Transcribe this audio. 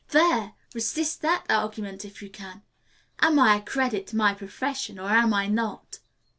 There! Resist that argument if you can. Am I a credit to my profession, or am I not?"